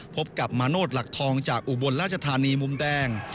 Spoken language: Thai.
พบกับมาโนธหลักทองจากอุบลราชธานีมุมแดง